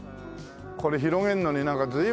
これ広げるのになんか随分。